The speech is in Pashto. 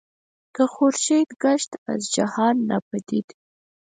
که خورشید گشت از جهان ناپدید